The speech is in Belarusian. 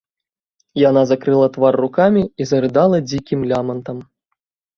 Яна закрыла твар рукамі і зарыдала дзікім лямантам.